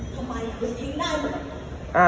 ทำไมไม่ทิ้งได้เหมือนกัน